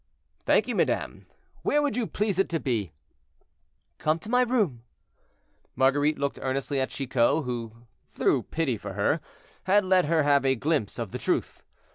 "Thank you, madame; where would you please it to be?" "Come to my room." Marguerite looked earnestly at Chicot, who, through pity for her, had let her have a glimpse of the truth.